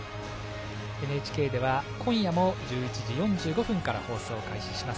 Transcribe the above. ＮＨＫでは今夜も１１時４５分から放送開始します。